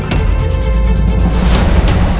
di rumah sakit sejahtera